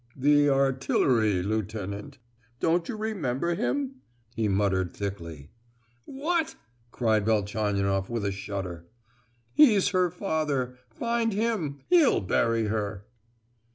"The artillery—lieutenant—don't you remember him?" he muttered, thickly. "What?" cried Velchaninoff, with a shudder. "He's her father—find him! he'll bury her!"